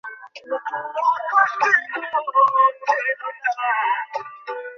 আমার হোটেল, আমার হোটেল!